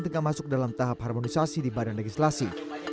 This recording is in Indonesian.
tengah masuk dalam tahap harmonisasi di badan legislasi